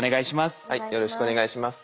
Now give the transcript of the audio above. よろしくお願いします。